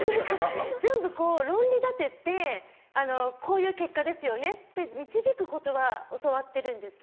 全部こう論理立ててこういう結果ですよねって導くことは教わってるんですけど。